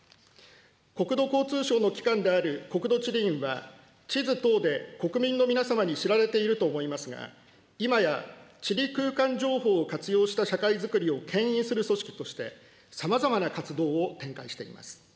国土交通省の機関である国土地理院は、地図等で国民の皆様に知られていると思いますが、今や、地理空間情報を活用した社会づくりをけん引する組織として、さまざまな活動を展開しています。